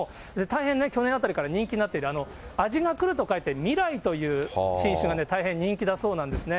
大変去年あたりから人気になってる、味が来ると書いて味来という品種が大変人気だそうなんですね。